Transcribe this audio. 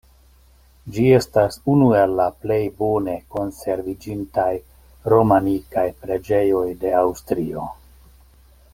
Ĝi estas unu el la plej bone konserviĝintaj romanikaj preĝejoj de Aŭstrio.